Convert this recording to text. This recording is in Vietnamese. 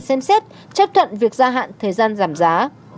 xem xét chấp thuận việc gia hạn thời gian giảm giá